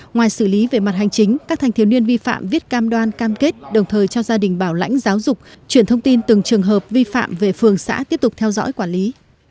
ngoài xử lý về mặt hành chính các thanh thiếu niên vi phạm viết cam đoan cam kết đồng thời cho gia đình bảo lãnh giáo dục chuyển thông tin từng trường hợp vi phạm về phường xã tiếp tục theo dõi quản lý